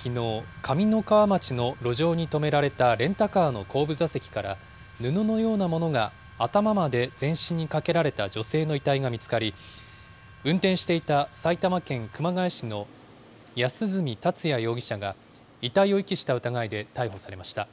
きのう、上三川町の路上に止められたレンタカーの後部座席から、布のようなものが頭まで全身にかけられた女性の遺体が見つかり、運転していた埼玉県熊谷市の安栖達也容疑者が、遺体を遺棄した疑いで逮捕されました。